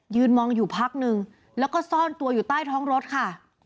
มองอยู่พักนึงแล้วก็ซ่อนตัวอยู่ใต้ท้องรถค่ะ